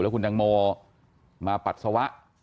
แล้วคุณตังโมมาปัดสวะ